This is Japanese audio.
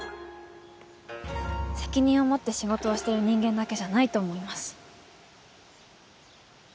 責任を持って仕事をしてる人間だけじゃないと思います。